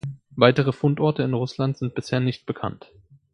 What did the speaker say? Weitere Fundorte in Russland sind bisher nicht bekannt.